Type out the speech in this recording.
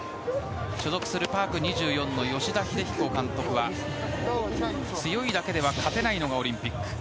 所属するパーク２４の吉田秀彦監督は強いだけでは勝てないのがオリンピック。